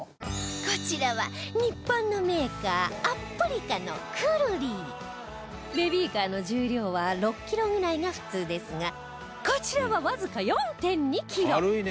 こちらは日本のメーカーアップリカのクルリーベビーカーの重量は６キロぐらいが普通ですがこちらはわずか ４．２ キロ